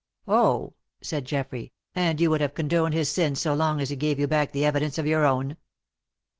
"Oh!" said Geoffrey. "And you would have condoned his sin so long as he gave you back the evidence of your own."